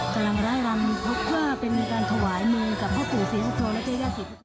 กำลังได้รัมพุทธภูมิเพื่อเป็นการถวายมือกับพวกผู้ศิลป์โทรและศิษย์ศิลป์